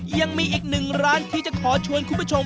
ยังมีอีกหนึ่งร้านที่จะขอชวนคุณผู้ชม